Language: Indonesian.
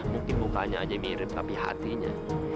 mungkin mukanya aja mirip tapi hatinya